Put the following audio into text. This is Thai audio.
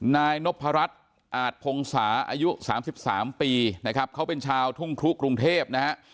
นายนพรัชอาจพงศาอายุ๓๓ปีนะครับเขาเป็นชาวทุ่งครุกรุงเทพนะฮะ